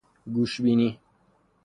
گوش بینی